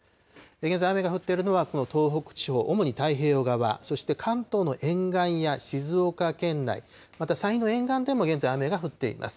現在、雨が降っているのは、この東北地方、主に太平洋側、そして関東の沿岸や静岡県内、また山陰の沿岸でも現在、雨が降っています。